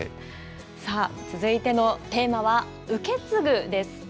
さあ、続いてのテーマは、受け継ぐです。